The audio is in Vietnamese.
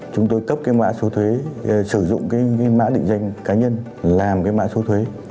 chúng tôi cấp cái mã số thuế sử dụng cái mã định danh cá nhân làm cái mã số thuế